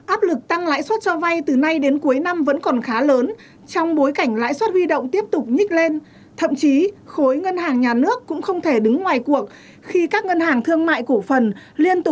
áp lực tăng lãi suất cho vay từ nay đến cuối năm vẫn còn khá lớn trong bối cảnh lãi suất huy động tiếp tục nhích lên